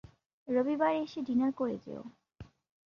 রবিবার এসে ডিনার করে যেও।